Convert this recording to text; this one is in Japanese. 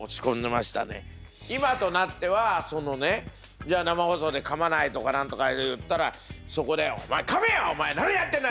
今となってはそのねじゃあ生放送でかまないとか何とかいったらそこで「お前かめよ！何やってんだ！